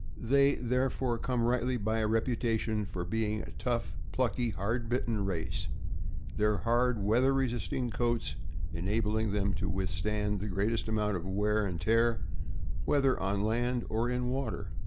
They there fore come rightly by a reputation for being a tough, plucky, hard bitten race, their hard, weather resisting coats en abling them to withstand the greatest amount of wear and tear, whether on land or in water.